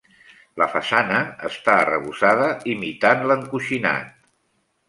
La façana està arrebossada imitant l'encoixinat.